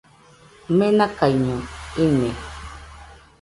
Menakaiño ine